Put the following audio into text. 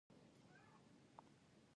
بلکې په دې حالت کې د کارګر مزد هم راټیټېږي